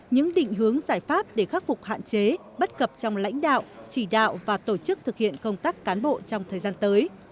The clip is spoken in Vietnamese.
những định hướng giải pháp để khắc phục hạn chế bất cập trong lãnh đạo chỉ đạo và tổ chức thực hiện công tác cán bộ trong thời gian tới